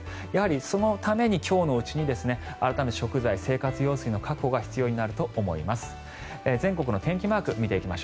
そのために今日のうちに改めて食材、生活用水の確保が必要になると思います。